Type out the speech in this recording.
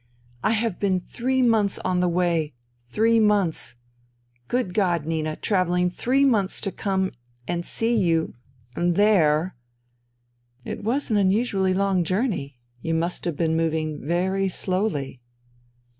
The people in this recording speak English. " I have been three months on the way ... three months. Good God, Nina, travelling three months to come and see you — and there !..."" It was an unusually long journey. You must have been moving very slowly."